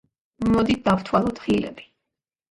მოდი დავთვალოთ ღილები.